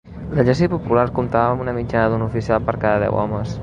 L'Exèrcit Popular comptava amb una mitjana d'un oficial per cada deu homes